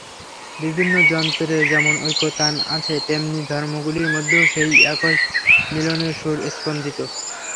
বিভিন্ন যন্ত্রে যেমন ঐক্যতান আছে, তেমনি ধর্মগুলির মধ্যেও সেই একই মিলনের সুর স্পন্দিত।